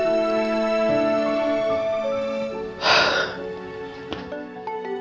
menggunakan kamera penyakitly helen sweetie kamu malah